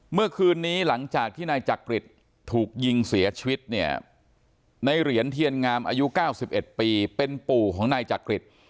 เมื่อคืนนี้หลังจากที่นายจักริตถูกยิงเสียชีวิตเนี่ยในเหรียญเทียนงามอายุ๙๑ปีเป็นปู่ของนายจักริต